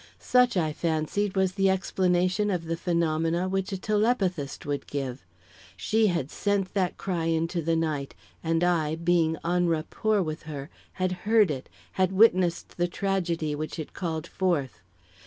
Such, I fancied, was the explanation of the phenomena which a telepathist would give. She had sent that cry into the night, and I, being en rapport with her, had heard it had witnessed the tragedy which called it forth.